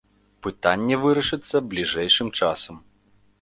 Пытанне вырашыцца бліжэйшым часам.